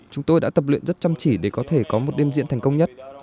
chúng tôi đã tập luyện rất chăm chỉ để có thể có một đêm diễn thành công nhất